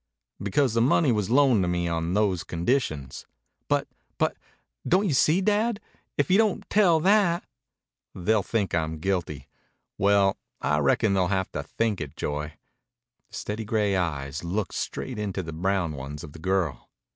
"Because the money was loaned me on those conditions." "But but don't you see, Dad? if you don't tell that " "They'll think I'm guilty. Well, I reckon they'll have to think it, Joy." The steady gray eyes looked straight into the brown ones of the girl.